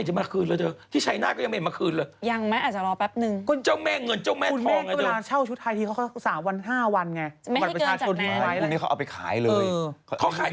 ถ้าเกิดมีละครเลียงใหม่ชุดกุไม้ทองอย่างเนี่ย